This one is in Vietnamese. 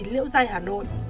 hai mươi chín liễu giai hà nội